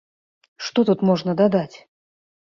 Што тут можна дадаць?!